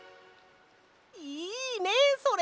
いいねそれ！